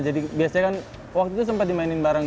jadi biasanya kan waktu itu sempet dimainin bareng